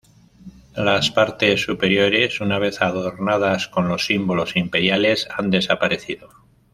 Las partes superiores una vez adornadas con los símbolos imperiales han desaparecido.